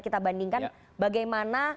kita bandingkan bagaimana